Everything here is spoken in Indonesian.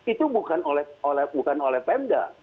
itu bukan oleh pemda